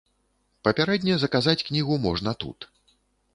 Папярэдне заказаць кнігу можна тут.